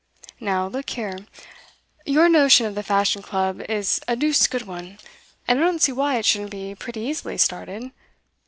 'Now, look here. Your notion of the Fashion Club is a deuced good one, and I don't see why it shouldn't be pretty easily started.